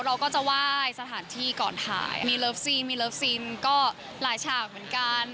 เราก็จะไหว้สถานที่ก่อนถ่ายมีเลิฟซีมีเลิฟซีนก็หลายฉากเหมือนกัน